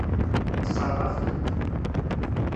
Yessṛeɣ-aɣ-tent.